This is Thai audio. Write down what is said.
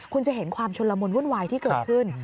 คุณจะเห็นความชุนละมุนวุ่นวายที่เกิดขึ้น